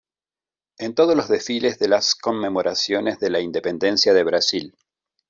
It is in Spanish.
En todos los desfiles de las conmemoraciones de la Independencia de Brasil.